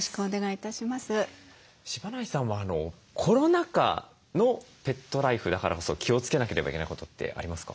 柴内さんはコロナ禍のペットライフだからこそ気をつけなければいけないことってありますか？